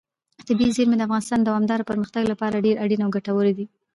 طبیعي زیرمې د افغانستان د دوامداره پرمختګ لپاره ډېر اړین او ګټور دي.